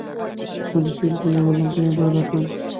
আমি দীর্ঘনিশ্বাস ফেলে বললাম, তুমি রাতদিন এত নামাজ-রোজা পড়।